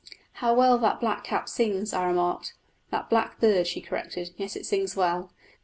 "How well that blackcap sings!" I remarked. "That blackbird," she corrected; "yes, it sings well."